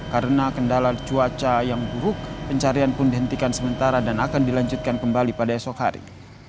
karena kendala cuaca yang buruk pencarian pun dihentikan sementara dan akan dilanjutkan kembali pada esok hari